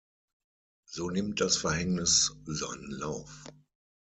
So nimmt das Verhängnis seinen Lauf.